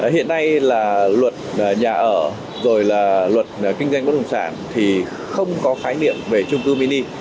hiện nay là luật nhà ở rồi là luật kinh doanh bất đồng sản thì không có khái niệm về trung cư mini